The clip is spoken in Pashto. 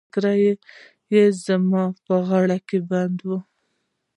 ټکری يې مازې په غاړه کې بند و.